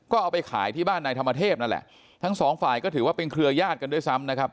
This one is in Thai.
ก็เอาไปขายที่บ้านนายธรรมเทพนั่นแหละทั้งสองฝ่ายก็ถือว่าเป็นเครือญาติกันด้วยซ้ำนะครับ